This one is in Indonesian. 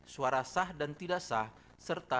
suara sah dan tidak sah serta